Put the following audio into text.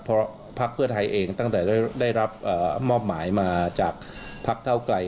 เพราะพักเพื่อไทยเองตั้งแต่ได้รับมอบหมายมาจากพักเก้าไกล